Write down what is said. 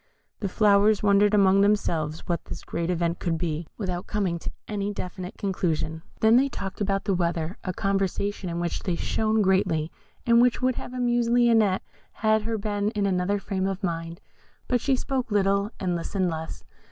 The flowers wondered among themselves what this great event could be, without coming to any definite conclusion. They then talked about the weather, a conversation in which they shone greatly, and which would have amused Lionette had she been in another frame of mind, but she spoke little, and listened less.